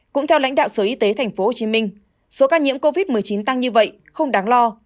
cũng theo lãnh đạo sở y tế tp hcm số ca nhiễm covid một mươi chín tăng như vậy không đáng lo